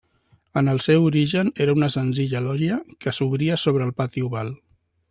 En el seu origen era una senzilla lògia que s'obria sobre el pati oval.